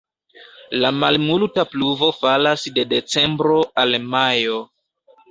La malmulta pluvo falas de decembro al majo.